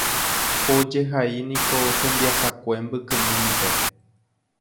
Ko jehai niko hembiasakue mbykymínte.